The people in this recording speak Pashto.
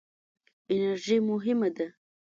انرژي مهمه ده.